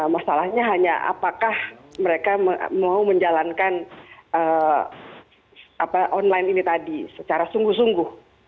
masalahnya hanya apakah mereka mau menjalankan online ini tadi secara sungguh sungguh